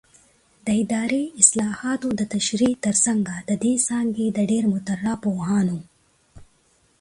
د اداري اصطلاحاتو د تشریح ترڅنګ د دې څانګې د ډېری مطرح پوهانو